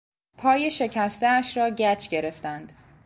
پای شکستهاش را گچ گرفتند.